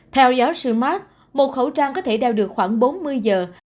theo giáo sư mart một khẩu trang có thể đeo được khoảng bốn mươi giờ